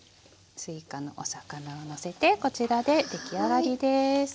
すいかのお魚をのせてこちらで出来上がりです。